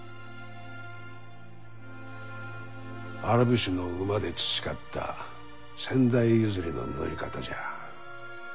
アラブ種の馬で培った先代譲りの乗り方じゃ。